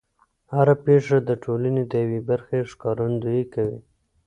هر پېښه د ټولنې د یوې برخې ښکارندويي کوي.